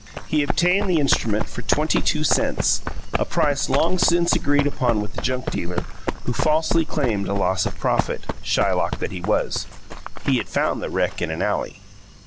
He obtained the instrument for twenty two cents, a price long since agreed upon with the junk dealer, who falsely claimed a loss of profit, Shylock that he was! He had found the wreck in an alley.